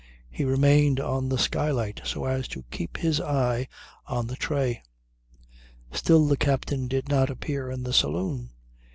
He remained on the skylight so as to keep his eye on the tray. Still the captain did not appear in the saloon.